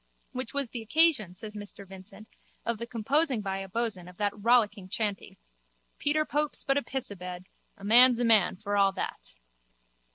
Which was the occasion, says Mr Vincent, of the composing by a boatswain of that rollicking chanty: _—Pope Peter's but a pissabed. A man's a man for a' that.